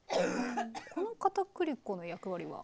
このかたくり粉の役割は？